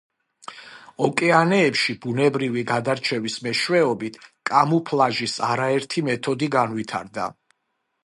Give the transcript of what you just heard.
ოკეანეებში ბუნებრივი გადარჩევის მეშვეობით კამუფლაჟის არაერთი მეთოდი განვითარდა.